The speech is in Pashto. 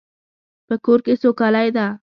په کور کې سوکالی ده